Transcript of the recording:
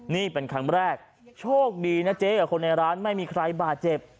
นี่เป็นครั้งแรกโชคดีนะเจ๊กับคนในร้านไม่มีใครบาดเจ็บ